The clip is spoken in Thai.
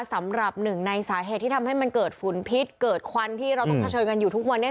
สำหรับหนึ่งในสาเหตุที่ทำให้มันเกิดฝุ่นพิษเกิดควันที่เราต้องเผชิญกันอยู่ทุกวันนี้